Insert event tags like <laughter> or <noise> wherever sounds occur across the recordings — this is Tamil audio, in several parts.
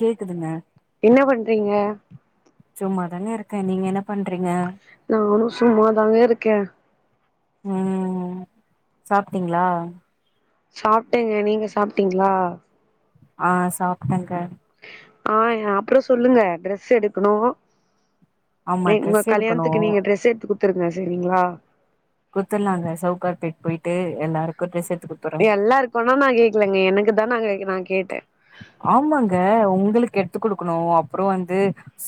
கேக்குதுங்க என்ன பண்றீங்க சும்மாதாங்கருக்க நீங்க என்ன பண்றீங்க நானு சும்மாதாங்க இருக்க ம் சாப்ட்டீங்களா சாப்ட்டேங்க நீங்க சாப்ட்டீங்களா அஹ் சாப்ட்டங்க ஆஹ் அப்புறோ சொல்லுங்க ட்ரெஸ் எடுக்கணு ஆமா ரே உங்க ட்ரெஸ் எடுக்கணு கல்யாணத்துக்கு நீங்க ட்ரெஸ் எடுத்து குடுத்துருங்க செரிங்களா குத்துர்லாங்க சவுகார்பட் போயிட்டு எல்லாருக்கும் டிரஸ் எடு எல்லா இருக்கும்னா நான் கேக்கலங்க எனக்கு தான் நான் கேக்குறேன் கேட்டேன் ஆமாங்க உங்களுக்கு எடு த்து குடுக்கணும் அப்புறோ வந்து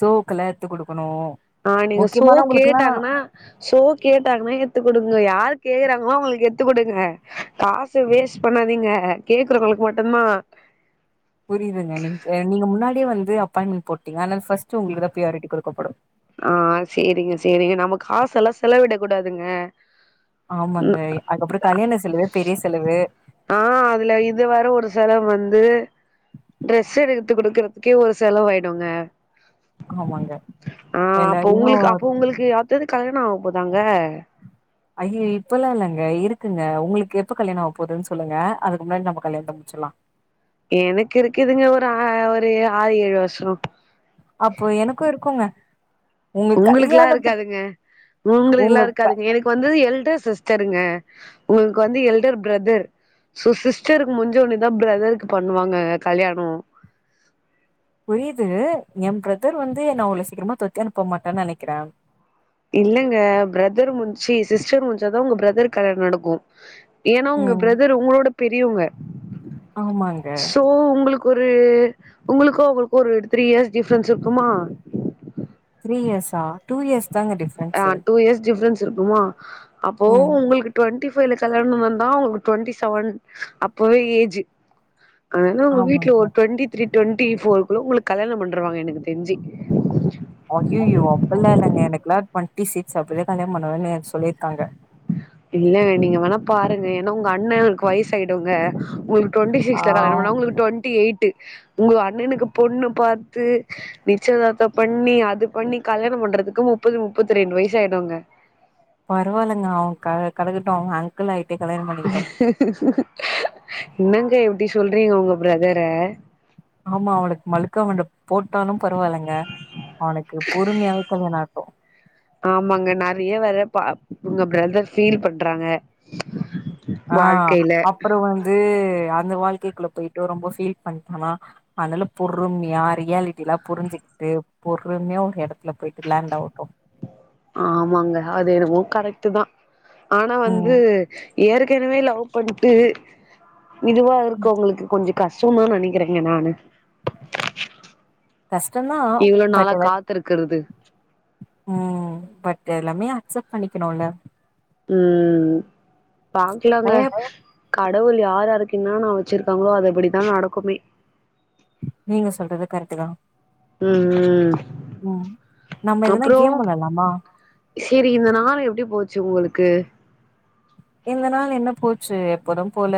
சோக்குலா எடுத்து குடுக்கணும் ஆஹ் நீங்க சோ கேட்டாங்கன்னா சோ கேட்டாங்கன்னா எத்துக்கடுங்க யார் கேக்றாங்களோ அவங்களுக்கு எத்து த்து கொடுங்க காசு வேஸ்ட் பண்ணாதீங்க கேக்குறவங்களுக்கு மட்டும்தான் புரியுதுங்க நீங்க நீங்க முன்னாடியே வந்து அப்பாயின்மெண்ட் போட்டீங்க ஆனா ஃபஸ்ட் உங்களுக்கு தான் பிரயாரிட்டி குடுக்கப்படும் ஆஹ் சேரிங்க சேரிங்க நம்ம காச எல்லா செலவிடக் கூடாதுங்க ஆமாங்க அதுக்கப்புறோ கல்யாண செலவு பெரிய செலவு யிது டிரெஸ் எடுத்து குடுக்கறதுக்கே ஒரு செலவு ஆய்டுங்க ஆமாங்க ஆஹ் அப்ப எல்லாரையு உங்களுக்கு அப்ப உங்களுக்கு யார்ட்டயாது கல்யாணம் ஆகும் போதாங்க அய்யய இப்பல்லா இல்லைங்க இருக்குங்க உங்களுக்கு எப்ப கல்யாணம் ஆ போகுதுன்னு சொல்லுங்க அதுக்கு முன்னாடி நம்ம கல்யாணத்த முடிச்சில்லாம் எனக்கு இருக்குதுங்க ஒரு ஆ ஒரு ஆறு ஏழு வருஷம் அப்போ எனக்கும் இருக்குங்க உங்க உங்களுக்குக்லா கல்யாணத்து இருக்காதுங்க உங்க உங்களுக்குலா க இருக்காதுங்க எனக்கு வந்து எல்டர் சிஸ் சிஸ்டருங்க உங்களுக்கு வந்து எல்டர் பிரதர் சிஸ்டருக்கு முடிஞ்சோன்னிதான் பிரதருக்கு பண்ணுவாங்க கல்யானோம் புரியுது என் பிரதர் வந்து என்ன அவ்ளோ சீக்கிரமா தொரத்தி அனுப்ப மாட்டேன்னு நினைக்கிறேன் இல்லங்க பிரதர் முன் சி சிஸ்டர் முடிச்சாதான் உங்க பிரதர்க்கு கல்யாணம் நடக்கும் ஏன்னா உங்க ம் பிரதர் உங்களோட பெரியவங்க ஆமாங்க சோ உங்களுக்கு ஒரு உங்களுக்கும் அவுகளுக்கு ஒரு த்ரீ இயர்ஸ் டிஃரன்ஸ் இருக்குமா த்ரி இயர்ஷா டூ இயர்ஸ் தாங்க ஆ டிஃப்ரென்ஸு டூ இயர்ஸ் டிஃரென்ஸ் த்திருக்குமா அப்போ ம் உங்களுக்கு டுவெண்டி ப்பவெல கல்யாண வந்தா அவங்களுக்கு டுவென்டி செவன் அப்பவே ஏஜ் அனா உங்க வீட்டுல ஆமாங்க ஒரு டுவெண்டி த்ரி டுவென்டி ஃபோர்குல்ல உங்களுக்கு கல்யாணம் பண்றவாங்க எனக்கு தெரிஞ்சு அயோயோ அப்பல்லா இல்லங்க எனக்கெல்லா டுவென்டி சிக்ஸ் அப்பதா கல்யாணம் பண்ணுவேனு சொ சொல்லியிருக்காங்க இல்ல நீங்க வேனா பாருங்க ஏன்னா உங்க அண்ணக்கு வயசு ஆயிடுங்க உங்களுக் டுவண்டி ஆ சிக்ஸ்ல கல்யாணம் பண்ணா உங்களுக்கு டுவண்டி எய்ட்டு உங்க அண்ணனுக்கு பொண்ணு பாத்து நிச்சதார்த்த பண்ணி அது பண்ணி கல்யாணம் பண்றதுக்கு முப்பது முப்பத்தி ரெண்டு வயசு ஆய்டுங்க பரவாலங்க அவ க கடக்கட்டு அவங்க அங்கிள் ஆயி என்னங்க இப் டி சொல்றிங்க உங்க ப்ரதர ஆமா அவனுக்கு மழுக்க மண்ட போட்டாலு பரவால்லங்க அவனுக்கு பொறுமையாவே கல்யாண ஆகட்டு ஆமாங்க நெறைய வேற பா உங்க பிரதர் ஃபீல் பண்றாங்க ஆ வாழ்க்கையில அப்பற வந்து அந்த வாழ்க்கைக்குள்ள போய்ட்டு ரொம்ப ஃபீல் பண்ட்டானா அதனால பொறுமையா ரியாலிட்டிலா புரிஞ்சுகிட்டு பொறுமையா ஒரு எடத்துல போயிட்டு லேண்ட் ஆகட்டு ஆமாங்க அது என்னவோ கரெக்ட்டுதா ஆனா வந்து ம் ஏற்கனவே லவ் பண்ட்டு இதுவா இருக்கவங்களுக்கு கொஞ்ச கஷ்டமா நெனைக்கிறங்க நானு கஷ்டந்தா இவ்ள பட் நாளா எல்ல காத்துருக்குறது ம் பட் எல்லாமே அக்செப்ட் பண்ணிக்கணுல்ல ம் பாக்கலாங்க நெறைய கடவுள் யார்யாருக்கு என்னென்ன வச்சிருக்காங்களோ அது இப்படித்தான் நடக்குமே நீங்க சொல்றது கரெக்டு தான் ம் ம் நம்ம எதுனா அப்புறோ கேம் வெளாட்லாமா செரி இந்த நாள் எப்டி போச்சு <unintelligible> இந்த நாள் என்ன போச்சு எப்போதும் போல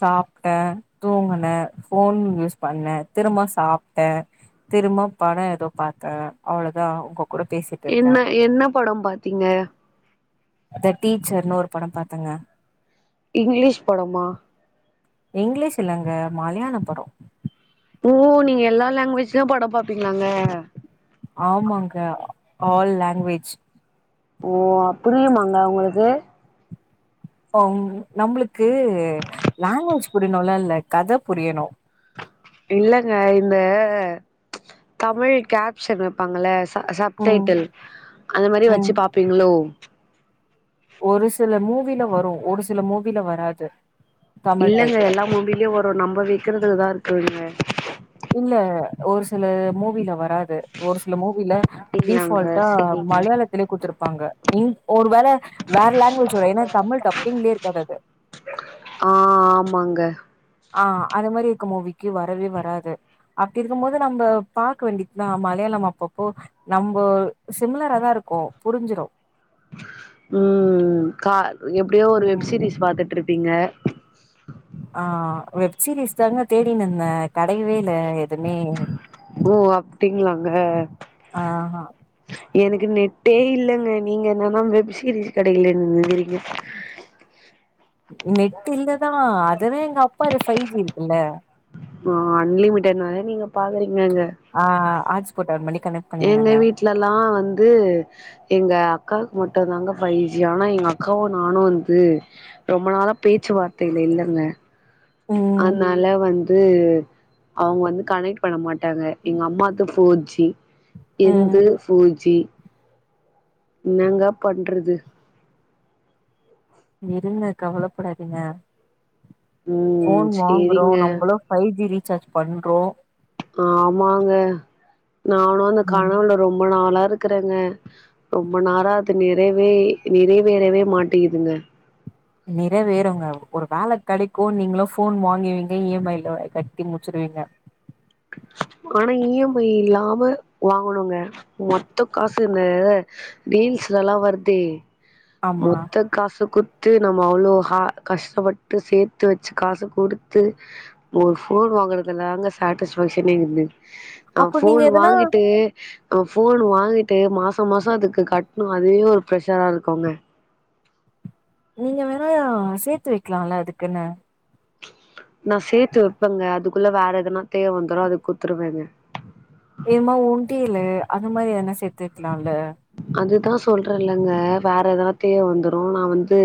சாப்ட்டே தூங்குனே ஃபோன் யூஸ் பண்ணே திரும்ப சாப்டே திரும்ப படம் எதோ பாத்தே அவ்வளோதான் என்ன என்ன படம் பாத்த தீங்க த டீச்சர்னு ஒரு படம் பாத்தேங்க இங்கிலீஷ் படமா இங்கிலீஷ் இல்லங்க மலையாள படம் ஓ நீங்க எல்லா லாங்குவேஜ்லயுமே படம் பாப்பீங்களாங்க ஆமாங்க ஆல் லாங்குவேஜ் ஓ அ புரியுமாங்க உங்களுக்கு ம் நம்மளுக்கு லாங்குவேஜ் புரியணுலா இல்ல கதை புரியணு இல்லங்க இந்த தமிழ் கேப்ஷன் வெப்பாங்கள்ல சப் ம் டைட்டில் அந்த மாதிரி வச்சு ம் பாப்பீங்களோ ஒரு சில மூவில வரு ஒரு சில மூவில வராது தமிழ் இல்லங்க டைட்டில் எல்லா மூவிலயூ வரூ நம்ம வெக்கிறதுலதா இருக் தூய்ம இல்ல ஒரு சில மூவில வ ராது ஒரு சில மூவில அப்டிங்களாங்க டீஃபால்டா செரிங்க மலையாளத்திலே குடுத்துருப்பாங்க இங் ஒரு வேள வேற லாங்குவேஜ் வரூ ஏனா தமிழ் டப்பிங்லே இருக்காது அது ஆ ஆமாங்க ஆ அது மாரி இருக்க மூவிக்கு வரவே வராது அப்டிருக்கும் போது நம்ம பாக்க வேண்டியதுதா மலையாளம் அப்பப்போ நம்மோ சிமிலரா தா இருக்கூ புரிஞ்சிரூ ம் கா எப்டியோ ஒரு ம் வெப் சீரிஸ் பாத்துட்ருப் பீங்க ஆ வெப்சீரிஸ் தாங்க தேடினிந்தே கெடைக்கவே ஓ அப்டிங்ளாங்க ஆ எனக்கு நெட்டே இல்லங்க நீங்க என்னனா வெப் சீரிஸ் கெடைக்கலனுன்றீங்க நெட்டு இல்லதா அதுதா எங்க அப்பாது ஃபை ஜி இருக்குல்ல ஆ அன்லிமிடட்னால நீங்க பாக்குறீங் ஆ ஹாட்ஸ்பாட் ஆன் பண்ணி கனெக்ட் பண்ணிக்கினாங்க எங்க வீட்லல்லா வந்து எங்க அக்காவ்க்கு மட்டுந்தாங்க ஃபை ஜி ஆனா எங்க அக்காவூ நானூ வந்து ரொம்ப நாளா பேச்சுவார்த்தைல இல்லங்க ம் அத்னால வந் து அவுங்க வந்து கனெக்ட் பண்ண மாட் ட்டாங்க எங்க அம்மாது ஃபோர்ஜி ம் என்து ஃபோர்ஜி என்னங்க பண்றது இருங்க கவலப்படாதீங்க ம் ஃபோன் வாங்குறோ சேரிங்க நம்மளூ ஃபை ஜி ரீ சார்ஜ் பண்றோ ஆமாங்க நானூ அந்த ம் கனவுல ரொம்ப நாளா ருக்றங்க ரொம்ப நாளா அது நிறைவே நிறைவேறவே மாட்டேகுதுங்க நிறைவேறுங்க ஒரு வேல கெடைக்கூ நீங்களூ ஃபோன் வாங்குவீங்க இ எம் ஐ லோ கட்டி முச்சுடுவீங்க ஆனா இ எம் ஐ இல்லாம வாங்கணுங்க மொத்தோ காசு இந்த ரீல்ஸ்லல்லா வருதே ஆமா மொத்த காசு குத் டு நம்ம அவ்ளோ ஹ கஷ்டப்பட்டு சேத்து வச்சு காச குடுத்து ஒரு ஃபோன் வாங்கறதுல தாங்க சேட்டிஸ் பங்க்ஷனே இது ஆ அப்போ நீங்க ஃபோன் எதுனா வாங்கிட்டு நம்ம ஃபோன் வாங்கிட்டு மாச மாசோ அதுக்கு கட்ணூ அதுவே ஒரு ப்ரெஷரா இருக்கூங்க நீங்க வேணா சேத்து வெக்கலால்ல இதுக்குன்னு நா சேத்து வெப்பேங்க அதுக்குள்ள வேற எதனா தேவ வந்துரூ அதுக் குத்துருவேங்க இதுமா உண்டியலு அது மா என சேத்து வக்கலால்ல அதுதா சொல்றேல்லங்க வேற எதா தேவ வந்துரூ நா வந்து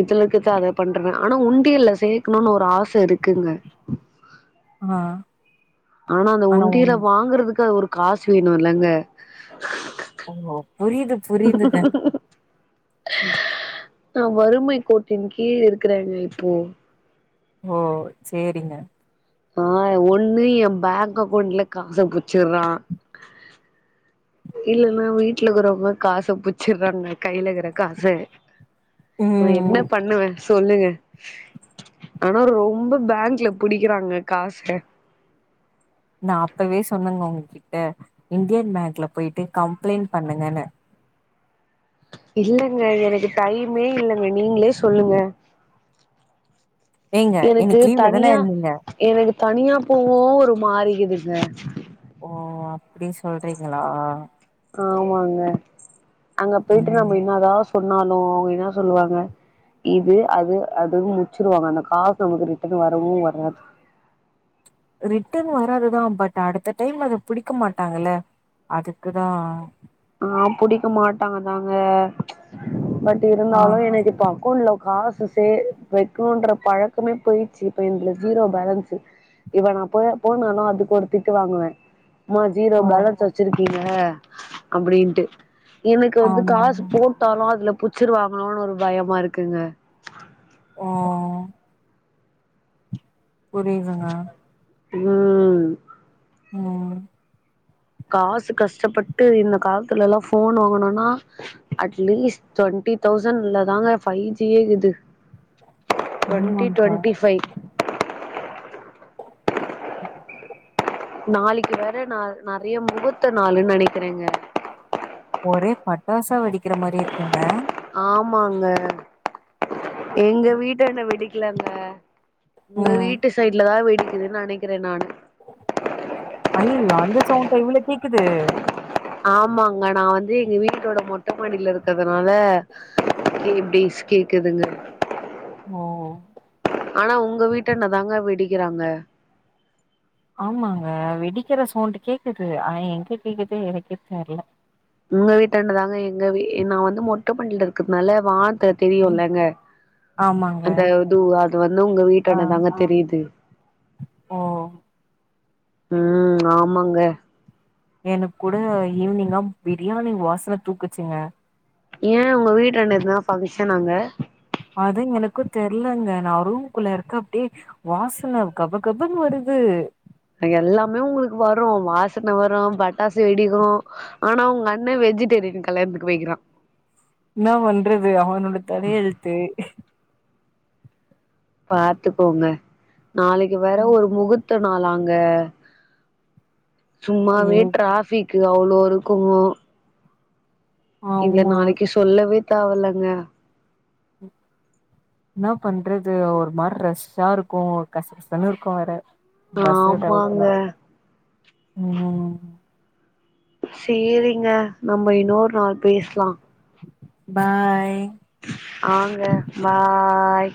இதுலர்க்குதா அத பண்றே ஆனா உண்டியல்ல சேக்கணூனு ஒரு ஆஸ் ச இருக்குங்க ஆ ஆனா அந்த உண்டியில வாங்கறதுக்கு அது ஒரு காசு வேணு இல்லங்க ஓ புரியுது புரியுதுங்க நா வறுமை கோட்டின் கீழ் இருக்கிறேங்க இப்போ ஓ சேரிங்க ஆஹ் ஒண்ணு என் பேங்க் அக்கவுண்ட்ல காச புச்சுறா இல்லன்னா வீட்டுலக்கு ரொம்ப காச புச்சுறாங்க கையில இருக்கிற காச இப்ப என்ன ம் பண்ணுவே சொல்லுங்க ஆனா ரொம்ப பேங்க்ல புடிக்கிறாங்க காச நா அப்பவே சொன்னங்க உங்ககிட்ட இந்தியன் பேங்க்ல போயிட்டு கம்ப்ளைண்ட் பண்ணுங்கன்னு இல்லங்க எனக்கு டைமே இல்லங்க நீங்களே சொல்லுங்க ஏங்க எனக்கு இன்னைக்கு லீவ்ல தான தனியா இருந்தீங்க எனக்கு தனியா போவோ ஒரு மாரி ருக் இட்டிஸ்ன ஓ அப்டி சொல்றீங்களா ஆமாங்க அங்க போயிட்டு நம்ம ம் என்னதாவ சொல் சொன்னாலு அவ்ங்க என்ன சொல்லுவாங்க இது அது அதுவும் முச்சிருவாங்க அந்த காசு நமக்கு ரிட்டன் வரவு வராது ரிட்டன் வராதுதான் பட் அடுத்த டைம்ல அத புடிக்க மாட்டாங்கல்ல அதுக்குதா ஆஹ் புடிக்க மாட்டாங்கதாங்க பட் ஆ இருந்தாலு எனக்கு இப்ப அக்கவுண்ல காசு சே வைக்கணும்ன்ற பழக்கமே போயிடுச்சு இப்ப இந்தல ஜீரோ பேலன்ஸு இவ நா போய போனாலு அது திட்டு வாங்குவே ம ஜீரோ ஓ பேலன்ஸ் வச்சிருக்க நீங்க அப்டின்ட்டு எனக்கு வந்து காசு ஆமா போட்டாலு அதுல புச்சுரு வாங்களோனு ஒரு பயமா இருக்குங்க ஓ புரியுதுங்க உஹம் உம் காசு கஷ்டப்பட்டு இந்த காலத்துல எல்லா போன் வாங்கனுனா அட்லீஸ்ட் டுவெண்ட்டி தௌசண்ட் இல்லதாங்க ஃபை ஜியே இது டுவென்ண்டி ஆமாங்க டுவென்டி ஃபைவ் <inaudible> நாளைக்கு வேற நா நெறைய முகூர்த்த நாள்ன்னு நெனைக்கிறேங்க ஒரே பட்டாசா வெடிக்கிற மாரி இருக்குங்க ஆமாங்க எங்க வீட்டாண்ட வெடிக் இலந்த உங்க ம் வீட்டு சைட்லதா வெடி இது நினைக்கிறேன் நானு அய்யயயா அந்த சௌண்டா இவ்ளவு கேக்குது ஆமாங்க நான் வந்து எங்க வீட்டோட மொட்டை மாடியில இருக்கிறதுனால இப்டிஸ் கேக்குதுங்க ஹம் ஆனா உங்க வீட்டாண்டதாங்க வெடிக்கிறாங்க ஆமாங்க வெடிக்கிற சோண்ட கேக்குது எங்க கேக்குது எனக்கே தெரியல உங்க வீட்டண்டதாங்க எங்க வீ நான் வந்து மொட்டைமாடில இருக்கிறதுனால வா னத்த தெரியும்லங்க ஆமாங்க அந்த இது அது வந்து உங்க ஆ வீட்டண்ண தாங்க தெரியுது ஓ ம் ஆமாங்க எனக்கு கூட ஈவினிங்கா பிரியாணி வாசனை தூக்குச்சுங்க ஏன் உங்க வீட்டாண்ட எதுனா ஃபங்கஷன் நாங்க அது எனக்கும் தெரியலங்க நான் ரூமுக்குள்ள இருக்கேன் அப்டியே வாசனை கப கபனுவருது எல்லாமே உங்களுக்கு வரும் வாசனை வரும் பட்டாசு வெடிக்கும் ஆனா உங்க அண்ணே வெஜிடேரியன் கல்யாணத்துக்கு வைக்கிறான் என்ன பண்றது அவனோட தலையெழுத்து பாத்துக்கோங்க நாளைக்கு வேற ஒரு முகுர் த்தனாளாங்க சும்மாவே ம் டிராஃபி க் அவ்வளோ இருக்கும் இதுல ஆமா நாளைக்கு சொல்லவே தேவலங்க என்னா பண்றது ஒரு மார ரஷ்ஷா இருக்கும் கச கசன்னு இருக்கும் வேற பஸ்ல டிராவல் ஆமாங்க பண்ணும்போது உம் சரிங்க நம்ம இன்னொரு நாள் பேசலாம் பாய் ஆங்க பாய்